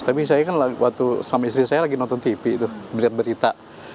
tapi saya kan waktu sama istri saya lagi nonton tv tuh melihat berita